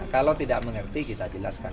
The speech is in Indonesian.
kalau tidak mengerti kita jelaskan